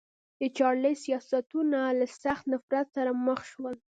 د چارلېز سیاستونه له سخت نفرت سره مخ شول.